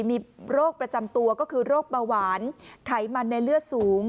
มีโรคประจำตัวก็คือโรคเบาหวานไขมันในเลือดสูง